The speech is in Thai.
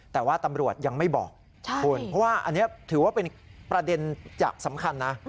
แต่ว่าตำรวจยังไม่บอกคุณเพราะว่าอันนี้ถือว่าเป็นประเด็นจากสำคัญนะ